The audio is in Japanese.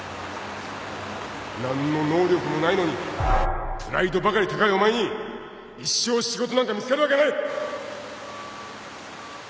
何の能力もないのにプライドばかり高いお前に一生仕事なんか見つかるわけない